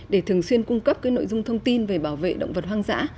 để thường xuyên cung cấp các nội dung thông tin về bảo vệ động vật hoang dã